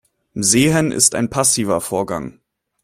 Sehen ist ein passiver Vorgang.